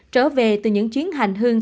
trở về từ những chuyến hành hương